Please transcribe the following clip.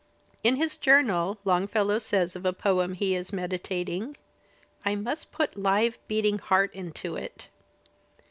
In his journal Longfellow says of a poem he is meditating, "I must put live beating heart into it."